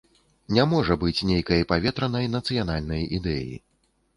Не можа быць нейкай паветранай нацыянальнай ідэі.